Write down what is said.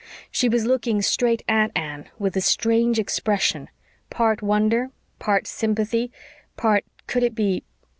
She was looking straight at Anne with a strange expression part wonder, part sympathy, part could it be?